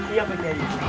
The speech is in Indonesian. iya pak jai